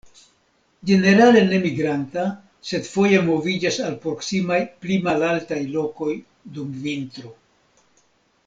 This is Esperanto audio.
Ĝenerale ne migranta, sed foje moviĝas al proksimaj pli malaltaj lokoj dum vintro.